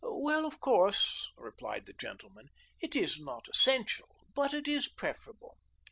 "Well, of course," replied the gentleman, "it is not essential, but it is preferable.